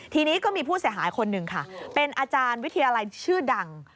ทีนี้ก็มีผู้เสียหายคนหนึ่งค่ะเป็นอาจารย์วิทยาลัยชื่อดัง